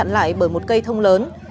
lại bởi một cây thông lớn